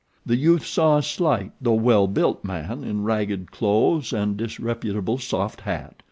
The youth saw a slight though well built man in ragged clothes and disreputable soft hat.